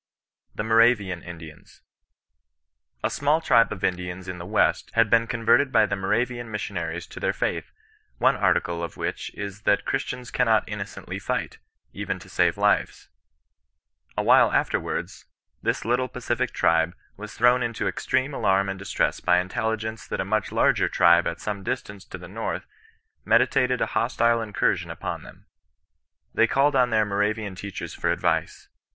THE MORAVIAN INDIANS. A small tribe of Indians in the West had been converted by the Moravian Missionaries to their faith, one article of which is that Christians cannot innocently fight, even to save their Jives. A while afterwards this little pa cific tribe was thrown into extreme alarm and distress by intelligence that a much larger tribe at some distance to the North meditated a hostile incursion upon them. They called on their Moravian teachers for advice.